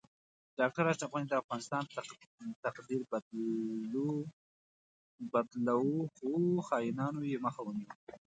ډاکټر اشرف غنی د افغانستان تقدیر بدلو خو خاینانو یی مخه ونیوه